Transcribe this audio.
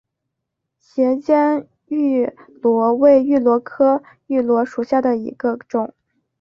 斜肩芋螺为芋螺科芋螺属下的一个种。